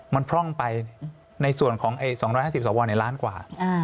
มันพร่องไปในส่วนของ๒๕๐สวในล้านกว่า